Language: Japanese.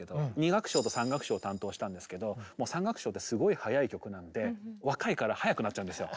２楽章と３楽章担当したんですけど３楽章ってすごい速い曲なんで若いから速くなっちゃうんですよ。